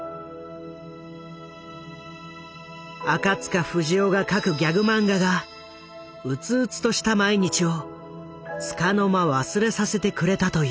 赤塚不二夫が描くギャグ漫画がうつうつとした毎日をつかの間忘れさせてくれたという。